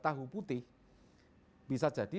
tahu putih bisa jadi